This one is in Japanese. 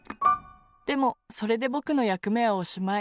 でもそれでぼくのやくめはおしまい。